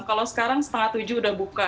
kalau sekarang setengah tujuh udah buka